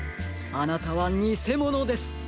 あなたはにせものです！